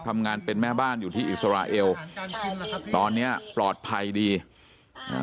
ทำงานเป็นแม่บ้านอยู่ที่อิสราเอลตอนเนี้ยปลอดภัยดีอ่า